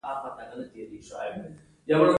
مهم لامل دا دی چې د ګټې بیه کمېږي